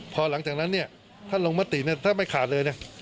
พอหลังจากนั้นท่านลงมติถ้าไม่ขาดเลย